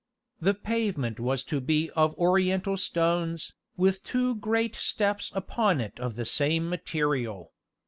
The pavement was to be of oriental stones, with two great steps upon it of the same material.